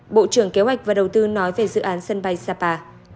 bộ trưởng kế hoạch và đầu tư nói về dự án sân bay sapa